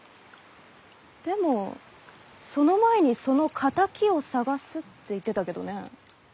でもその前にその敵を捜すって言ってたけどね。